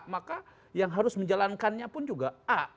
maka yang harus menjalankannya pun juga a